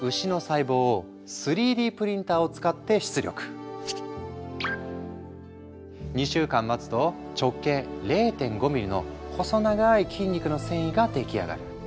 お次は２週間待つと直径０．５ミリの細長い筋肉の繊維が出来上がる。